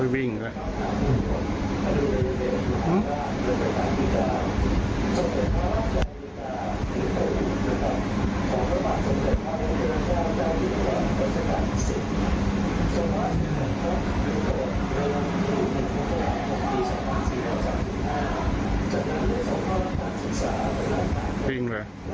วิ่ง